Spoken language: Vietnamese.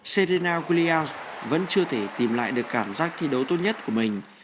serena guglia vẫn chưa thể tìm lại được cảm giác thi đấu tốt nhất của mình